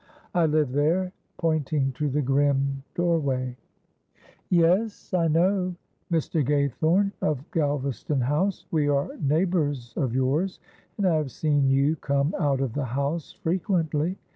I live there," pointing to the grim doorway. "Yes, I know: Mr. Gaythorne, of Galvaston House; we are neighbours of yours, and I have seen you come out of the house frequently.